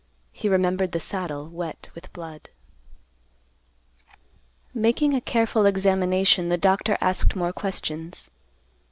He remembered the saddle, wet with blood. Making a careful examination, the doctor asked more questions.